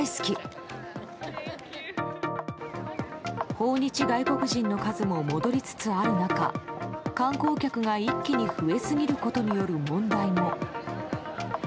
訪日外国人の数も戻りつつある中観光客が一気に増えすぎることによる問題も。